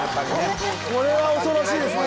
これは恐ろしいですね